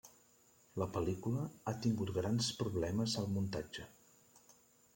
La pel·lícula ha tingut grans problemes al muntatge.